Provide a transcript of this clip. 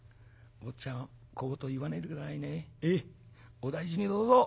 お大事にどうぞ。